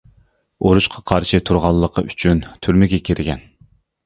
ئۇرۇشقا قارشى تۇرغانلىقى ئۈچۈن تۈرمىگە كىرگەن.